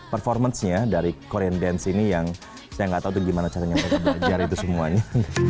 performance nya dari korean dance ini yang saya nggak tahu tuh gimana caranya mereka belajar itu semuanya